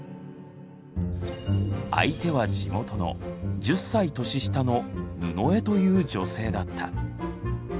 相手は地元の１０歳年下の布枝という女性だった。